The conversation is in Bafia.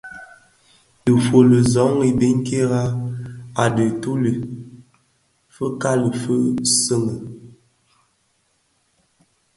Dhifuli zoň i biňkira a dhituli, fikali fi soňi,